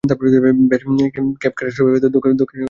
Cape catastrophe, দক্ষিণ Australia.